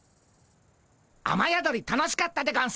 あまやどり楽しかったでゴンス。